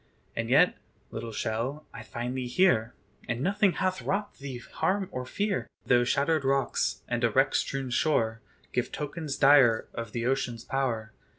And yet, little shell, I find thee here, And nothing hath wrought thee harm or fear; Though shattered rocks, and a wreck strewn shore, Give tokens dire of the ocean's power.